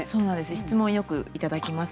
質問をよくいただきます。